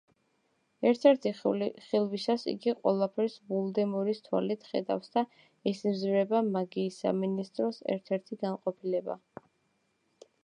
ერთ-ერთი ხილვისას იგი ყველაფერს ვოლდემორის თვალით ხედავს და ესიზმრება მაგიის სამინისტროს ერთ-ერთი განყოფილება.